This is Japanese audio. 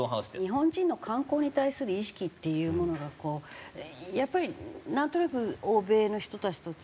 日本人の観光に対する意識っていうものがこうやっぱりなんとなく欧米の人たちと。